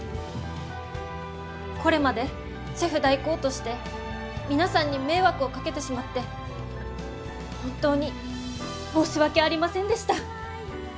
これまでシェフ代行として皆さんに迷惑をかけてしまって本当に申し訳ありませんでした。